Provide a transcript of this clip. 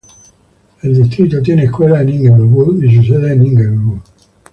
El distrito tiene escuelas en Inglewood y su sede en Inglewood.